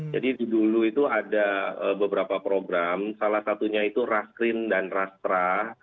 jadi dulu itu ada beberapa program salah satunya itu rastrin dan rastrah